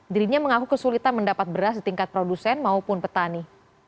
dirinya mengaku kesulitan mendapat beras di tingkat produsen maupun petani